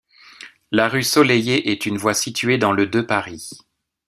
La rue Soleillet est une voie située dans le de Paris.